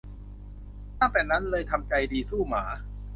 ตั้งแต่นั้นเลยทำใจดีสู้หมา